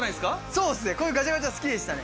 そうですねこういうガチャガチャ好きでしたね。